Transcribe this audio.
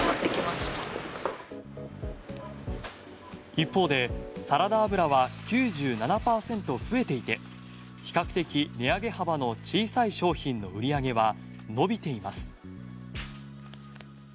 一方でサラダ油は９７％増えていて比較的、値上げ幅の小さい商品の売り上げは伸びています。